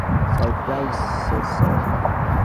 সাইপ্রাসে, sir.